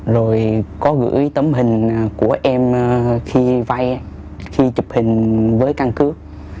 rồi có gửi tấm hình của em khi vây khi chụp hình với căn cước